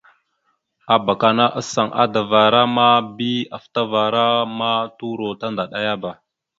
Abak ana asaŋ adavara ma bi afətavara ma turo tandaɗayaba.